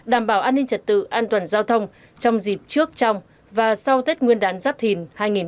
đảm bảo an ninh trật tự an toàn giao thông trong dịp trước trong và sau tết nguyên đán giáp thìn hai nghìn hai mươi bốn